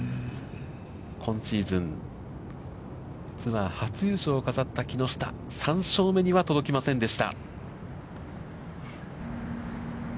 今シーズン、ツアー初優勝を飾った木下、３勝目には、届きませんでした。